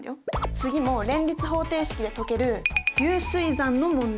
次も連立方程式で解ける流水算の問題！